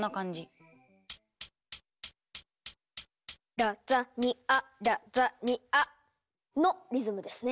「ラザニアラザニア」のリズムですね。